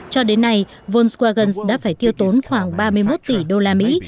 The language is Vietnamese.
cho đến nay volkswagen đã phải tiêu tốn khoảng ba mươi một tỷ đô la mỹ